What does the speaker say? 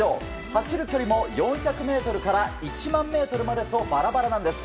走る距離も４００ｍから１００００ｍまでとバラバラなんです。